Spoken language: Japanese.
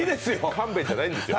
勘弁じゃないんですよ